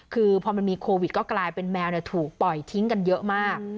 คือพอมันมีโควิดก็กลายเป็นแมวถูกปล่อยทิ้งกันเยอะมาก